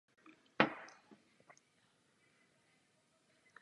Po dělení Polska připadlo Rusku.